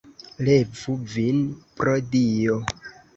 Levu vin, pro Dio!